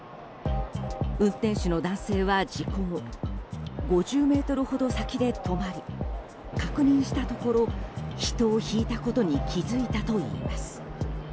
運転手の男性は事故後５０ｍほど先で止まり確認したところ人をひいたことに気付いたといいます。